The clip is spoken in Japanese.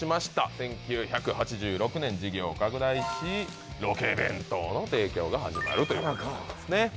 １９８６年事業を拡大しロケ弁当の提供が始まるということなんですね